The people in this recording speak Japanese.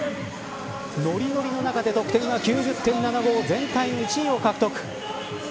ノリノリの中で得点は９０．７５全体１位を獲得。